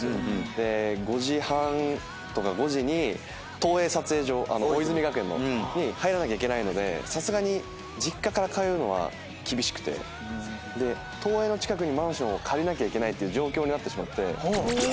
５時半とか５時に東映撮影所大泉学園に入らなきゃいけないのでさすがに実家から通うのは厳しくて東映の近くにマンションを借りなきゃいけない状況になってしまって。